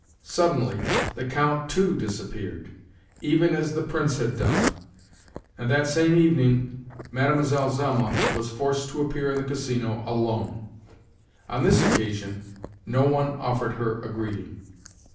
Suddenly, the Count too disappeared, even as the Prince had done, and that same evening Mlle. Zelma was forced to appear in the Casino alone. On this occasion no one offered her a greeting.